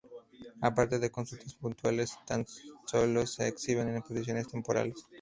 Aparte de consultas puntuales, tan sólo se exhiben en exposiciones temporales.